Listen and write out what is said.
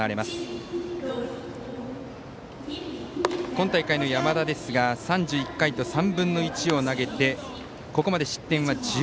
今大会の山田ですが３１回と３分の１を投げてここまで失点は１２。